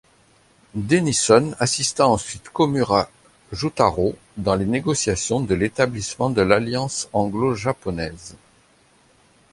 Denison assista ensuite Komura Jutarō dans les négociations de l'établissement de l'alliance anglo-japonaise.